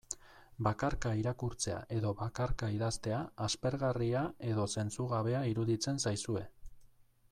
Bakarka irakurtzea edo bakarka idaztea, aspergarria edo zentzugabea iruditzen zaizue.